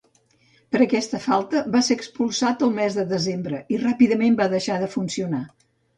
Per aquesta falta va ser expulsat el mes de desembre i ràpidament va deixar de funcionar.